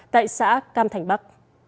tại xã cam thành bắc